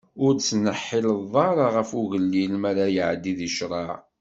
Ur d-ttneḥḥileḍ ara ɣef ugellil, mi ara iɛeddi di ccṛeɛ.